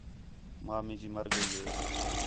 ماں مینجی مر ڳئی ہِے